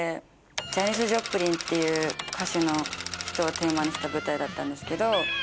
ジャニス・ジョプリンっていう歌手の人をテーマにした舞台だったんですけど。